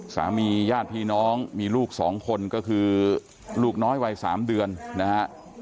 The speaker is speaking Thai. ญาติพี่น้องมีลูก๒คนก็คือลูกน้อยวัย๓เดือนนะฮะ